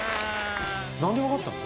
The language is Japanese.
何で分かったの？